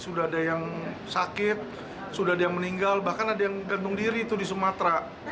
sudah ada yang sakit sudah ada yang meninggal bahkan ada yang gantung diri itu di sumatera